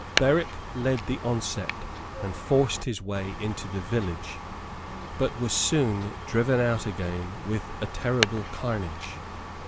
Berwick led the onset, and forced his way into the village, but was soon driven out again with a terrible carnage.